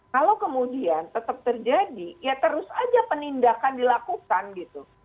kalau kemudian tetap terjadi ya terus aja penindakan dilakukan gitu